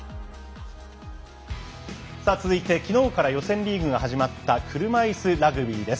続いて、きのうから予選リーグが始まった車いすラグビーです。